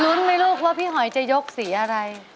รุ้นไหมลูกว่าพี่หอยจะยกสีอะไร